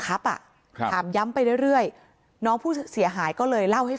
อ่ะครับถามย้ำไปเรื่อยน้องผู้เสียหายก็เลยเล่าให้